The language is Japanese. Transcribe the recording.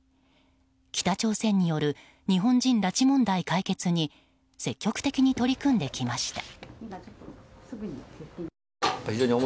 北朝鮮による日本人拉致問題解決に積極的に取り組んできました。